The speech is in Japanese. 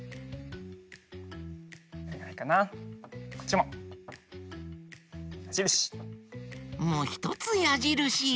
もうひとつやじるし。